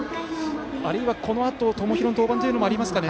あるいは、このあと友廣の登板もありますかね。